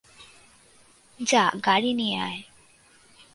যা গাড়ি নিয়ে আয়।